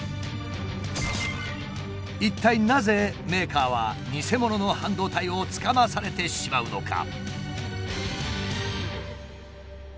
一体なぜメーカーはニセモノの半導体をつかまされてしまうのか？